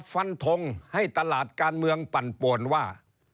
ฟันทงให้ตลาดการเมืองปั่นป่วนว่า